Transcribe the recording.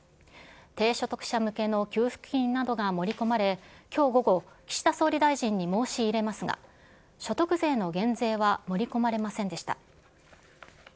低所得者向けの給付金などが盛り込まれ、きょう午後、岸田総理大臣に申し入れますが、所得税の減税は盛り込まれませんでした。